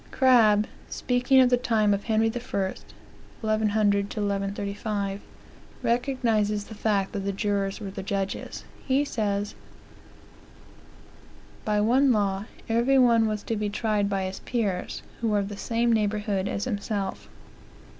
Crabbe, speaking of the time of Henry I., (1100 to 1135,) recognizes the fact that the jurors were the judges. He says: "By one law, every one was to be tried by his peers, who were of the same neighborhood as himself.